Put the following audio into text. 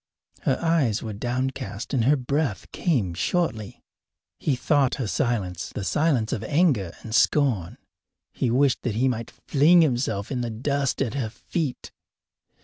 Her eyes were downcast and her breath came shortly. He thought her silence the silence of anger and scorn. He wished that he might fling himself in the dust at her feet.